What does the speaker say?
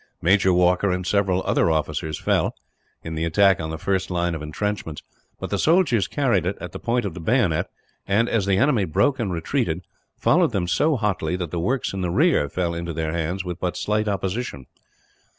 Major Walker and several other officers fell, in the attack on the first line of entrenchments; but the soldiers carried it at the point of the bayonet and, as the enemy broke and retreated, followed them so hotly that the works in the rear fell into their hands with but slight opposition.